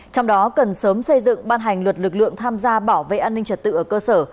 trong đó cần sớm xây dựng ban hành luật lực lượng tham gia bảo vệ an ninh trật tự ở cơ sở